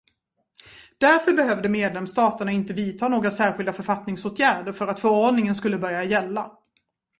Därför behövde medlemsstaterna inte vidta några särskilda författningsåtgärder för att förordningen skulle börja gälla.